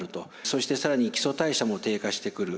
そして更に基礎代謝も低下してくる。